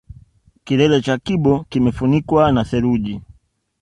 Kilele cha kibo kimefunikwa na theluji